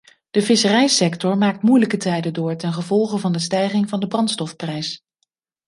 De visserijsector maakt moeilijke tijden door ten gevolge van de stijging van de brandstofprijs.